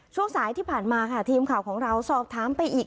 ช่วงสายที่ผ่านมาค่ะทีมข่าวของเราสอบถามไปอีก